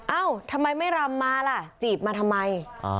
เอ้าทำไมไม่รำมาล่ะจีบมาทำไม